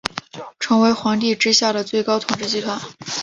成为皇帝之下的最高统治集团。